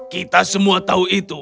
kita semua tahu itu